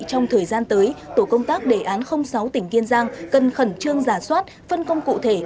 trong thời gian tới tổ công tác đề án sáu tỉnh kiên giang cần khẩn trương giả soát phân công cụ thể